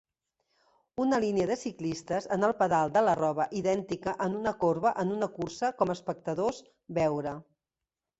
una línia de ciclistes en el pedal de la roba idèntica en una corba en una cursa com a espectadors veure